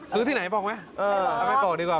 ที่ไหนบอกไหมเอาไปบอกดีกว่า